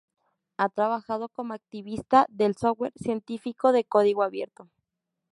Ha trabajado como activista del software científico de código abierto.